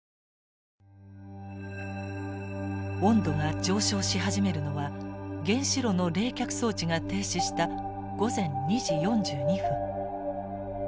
温度が上昇し始めるのは原子炉の冷却装置が停止した午前２時４２分。